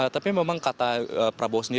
tapi memang kata prabowo sendiri